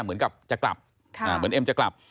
เหมือนกับจะกลับ